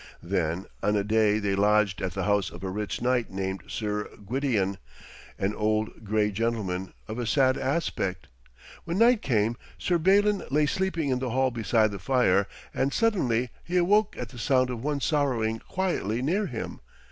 Then on a day they lodged at the house of a rich knight named Sir Gwydion, an old grey gentleman, of a sad aspect. When night came, Sir Balin lay sleeping in the hall beside the fire, and suddenly he awoke at the sound of one sorrowing quietly near him.